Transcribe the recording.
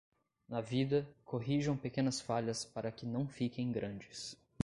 Na vida, corrijam pequenas falhas para que não fiquem grandes.